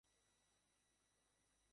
এই, লাইট নিভিয়ে দে।